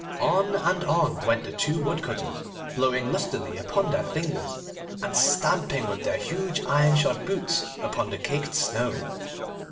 On and on went the two Woodcutters, blowing lustily upon their fingers, and stamping with their huge iron shod boots upon the caked snow.